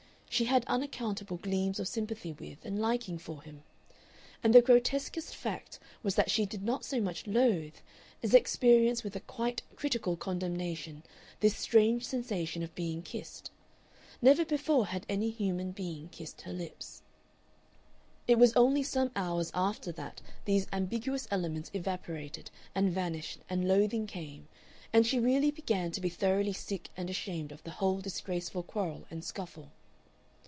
She had unaccountable gleams of sympathy with and liking for him. And the grotesquest fact was that she did not so much loathe, as experience with a quite critical condemnation this strange sensation of being kissed. Never before had any human being kissed her lips.... It was only some hours after that these ambiguous elements evaporated and vanished and loathing came, and she really began to be thoroughly sick and ashamed of the whole disgraceful quarrel and scuffle.